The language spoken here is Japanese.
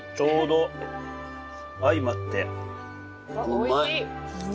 おいしい！